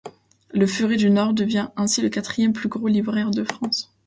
Le Furet du Nord devient ainsi le quatrième plus gros libraire de France.